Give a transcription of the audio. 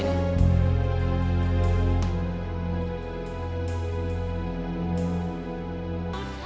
nanti aku mau nge call